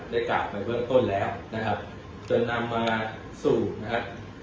ได้กล่าวไปเบื้องต้นแล้วนะครับจนนำมาสู่นะครับ